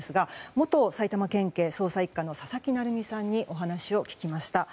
元埼玉県警捜査１課の佐々木成三さんにお話を聞きました。